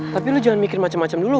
tapi lu jangan mikir macem macem dulu